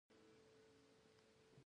هندوکش د تاریخ په کتابونو کې دی.